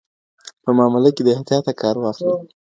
په معامله کي د احتياطه کار واخلئ.